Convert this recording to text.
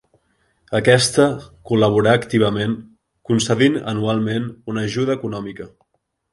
Aquesta col·laborà activament concedint anualment una ajuda econòmica.